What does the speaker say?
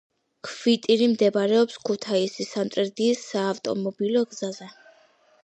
ქვიტირი მდებარეობს ქუთაისი-სამტრედიის საავტომობილო გზაზე